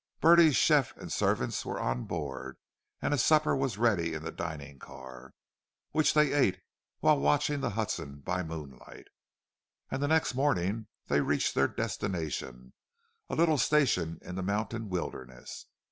Bertie's chef and servants were on board, and a supper was ready in the dining car, which they ate while watching the Hudson by moonlight. And the next morning they reached their destination, a little station in the mountain wilderness.